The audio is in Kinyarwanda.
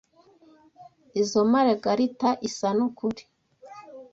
Izoi maragarita isa nukuri.